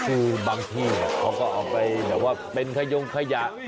คือบางที่เขาก็เอาไปแบบว่าเป็นขยงขยะ